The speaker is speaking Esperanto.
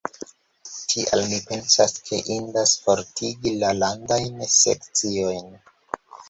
Tial, mi pensas ke indas fortigi la landajn sekciojn.